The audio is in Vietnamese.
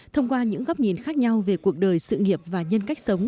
thông qua những góc nhìn khác nhau về cuộc đời sự nghiệp và nhân cách sống